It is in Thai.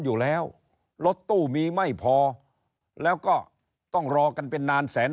อยู่แล้วรถตู้มีไม่พอแล้วก็ต้องรอกันเป็นนานแสน